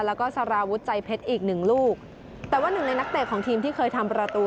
แล้วก็สารวุฒิใจเพชรอีกหนึ่งลูกแต่ว่าหนึ่งในนักเตะของทีมที่เคยทำประตู